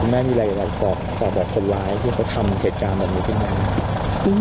มันมีอะไรต่อไปบอกคนหลายที่เค้าทำเกษตรการแบบนี้ขึ้นไป